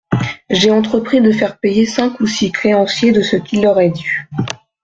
J'ai entrepris de faire payer cinq ou six créanciers de ce qui leur est dû.